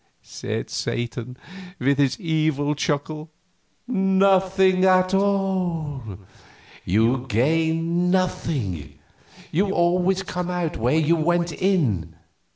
said Satan, with his evil chuckle. "Nothing at all. You gain nothing; you always come out where you went in.